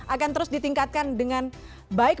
akan terus ditingkatkan dengan baik